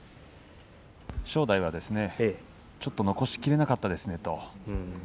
正代はちょっと残しきれなかったですねと